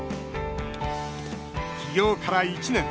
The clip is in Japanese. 起業から１年。